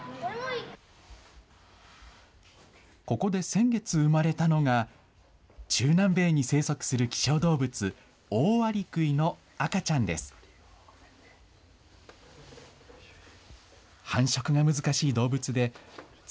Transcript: ここで先月生まれたのが、中南米に生息する希少動物、オオアリクイの赤ちゃんです。